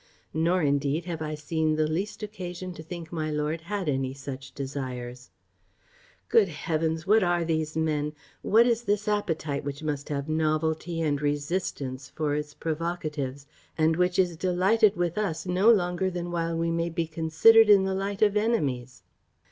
Nor, indeed, have I seen the least occasion to think my lord had any such desires. "Good heavens! what are these men? what is this appetite which must have novelty and resistance for its provocatives, and which is delighted with us no longer than while we may be considered in the light of enemies?"